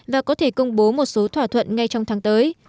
và có thể công bố một số thỏa thuận ngay trong tháng tới